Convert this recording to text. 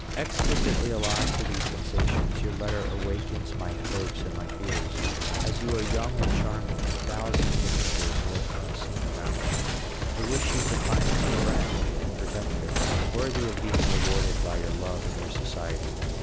Exquisitely alive to these sensations, your letter awakens my hopes and my fears. As you are young and charming, a thousand dangers lurk unseen around you. I wish you to find a friend and protector worthy of being rewarded by your love and your society.